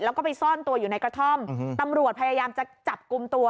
แล้วก็ไปซ่อนตัวอยู่ในกระท่อมตำรวจพยายามจะจับกลุ่มตัว